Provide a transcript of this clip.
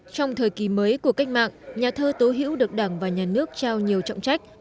trong thời kỳ mới của cách mạng nhà thơ tố hữu được đảng và nhà nước trao nhiều trọng trách